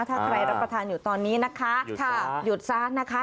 ถ้าใครรับประทานอยู่ตอนนี้นะคะหยุดซะนะคะ